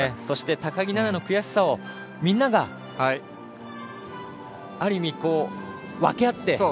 そして高木菜那の悔しさをみんながある意味、分け合って。